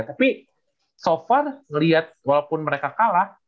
tapi so far ngelihat walaupun mereka kalah